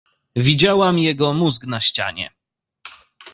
Widziałam jego mózg na ścianie.